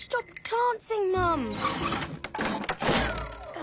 あ。